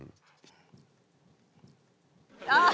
あっ！